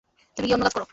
তুমি গিয়ে অন্য কাজ করো।